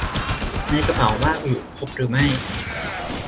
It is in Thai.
ในกระเป๋าว่าอยู่ครบหรือไม่